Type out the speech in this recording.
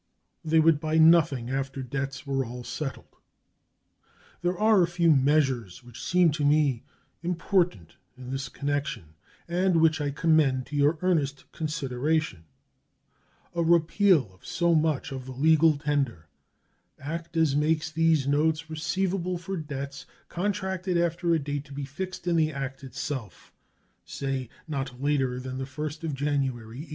They would buy nothing after debts were all settled. There are a few measures which seem to me important in this connection and which I commend to your earnest consideration: A repeal of so much of the legal tender act as makes these notes receivable for debts contracted after a date to be fixed in the act itself, say not later than the 1st of January, 1877.